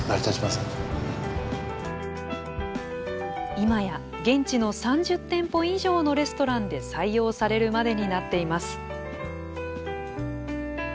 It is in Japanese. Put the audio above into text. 今や現地の３０店舗以上のレストランで採用されるまでになっています。